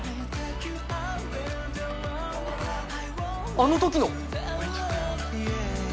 あの時の！